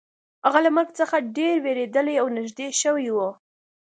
هغه له مرګ څخه ډیر ویریدلی او نږدې شوی و